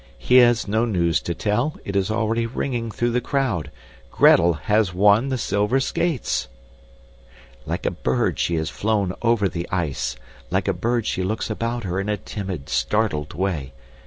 He has no news to tell it is already ringing through the crowd. GRETEL HAS WON THE SILVER SKATES! Like a bird she has flown over the ice, like a bird she looks about her in a timid, startled way.